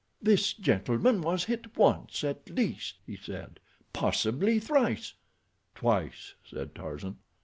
"This gentleman was hit once at least," he said. "Possibly thrice." "Twice," said Tarzan.